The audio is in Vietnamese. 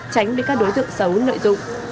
tránh bị các đối tượng xấu lợi dụng